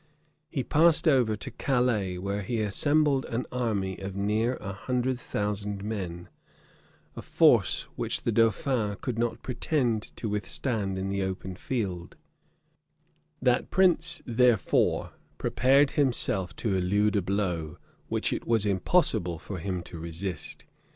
[] He passed over to Calais, where he assembled an army of near a hundred thousand men; a force which the dauphin could not pretend to withstand in the open field: that prince, therefore, prepared himself to elude a blow, which it was impossible for him to resist.